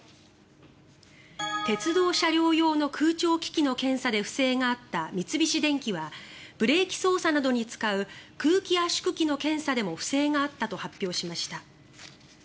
鉄道車両用の空調機器の検査で不正があった三菱電機はブレーキ操作などに使う空気圧縮機の検査でも不正があったと発表しました。